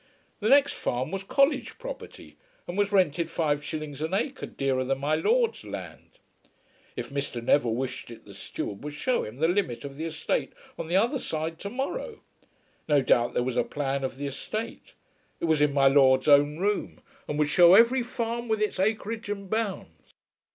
The next farm was college property, and was rented five shillings an acre dearer than "My Lord's" land. If Mr. Neville wished it the steward would show him the limit of the estate on the other side to morrow. No doubt there was a plan of the estate. It was in "My Lord's" own room, and would shew every farm with its acreage and bounds.